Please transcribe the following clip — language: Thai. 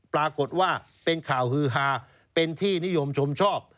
ปรากฏว่าเป็นข่าวฮือฮาเป็นที่นิยมชมชอบ